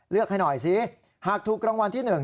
เลือกให้หน่อยสิหากถูกรางวัลที่หนึ่ง